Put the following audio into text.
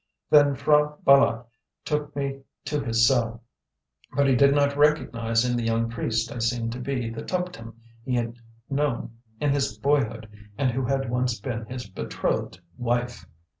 Then P'hra Bâlât took me to his cell; but he did not recognize in the young priest I seemed to be the Tuptim he had known in his boyhood, and who had once been his betrothed wife."